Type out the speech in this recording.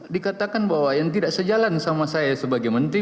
dikatakan bahwa yang tidak sejalan sama saya sebagai menteri